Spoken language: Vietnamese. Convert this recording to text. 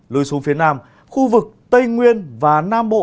lưu xuống phía nam khu vực tây nguyên và nam bộ